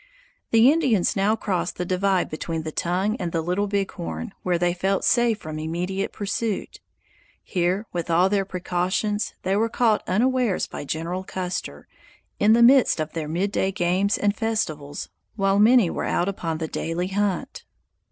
The Indians now crossed the divide between the Tongue and the Little Big Horn, where they felt safe from immediate pursuit. Here, with all their precautions, they were caught unawares by General Custer, in the midst of their midday games and festivities, while many were out upon the daily hunt.